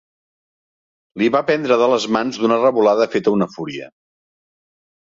L'hi va prendre de les mans d'una revolada feta una fúria.